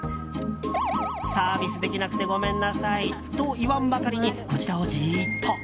サービスできなくてごめんなさいと言わんばかりにこちらをじーっと。